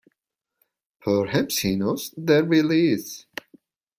Perhaps he knows there really is.